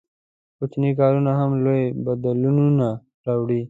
• کوچني کارونه هم لوی بدلونونه راوړي.